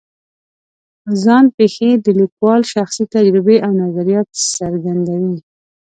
ځان پېښې د لیکوال شخصي تجربې او نظریات څرګندوي.